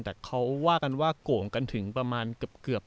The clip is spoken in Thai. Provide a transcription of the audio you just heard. แต่เขาว่ากันว่าโก่งกันถึงประมาณเกือบ